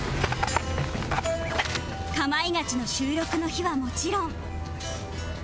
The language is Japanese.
『かまいガチ』の収録の日はもちろん